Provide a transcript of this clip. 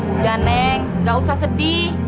udah neng gak usah sedih